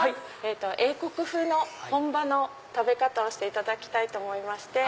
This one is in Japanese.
英国風の本場の食べ方をしていただきたいと思いまして。